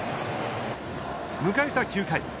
迎えた９回。